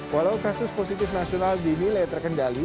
walau kasus positif nasional di nilai terkendali